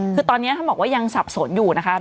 คือตอนนี้ท่านบอกว่ายังสับสนอยู่นะคะ